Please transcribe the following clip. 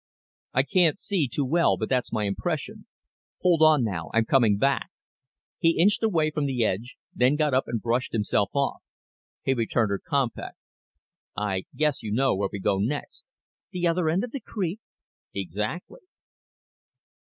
"I can't see too well, but that's my impression. Hold on now. I'm coming back." He inched away from the edge, then got up and brushed himself off. He returned her compact. "I guess you know where we go next." "The other end of the creek?" "Exactly."